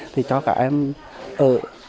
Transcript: thì cho cả em ở